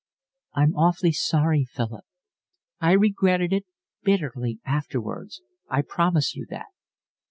"I'm awfully sorry, Philip. I regretted it bitterly afterwards, I promise you that."